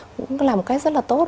cũng là một cách rất là tốt